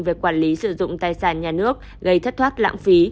về quản lý sử dụng tài sản nhà nước gây thất thoát lãng phí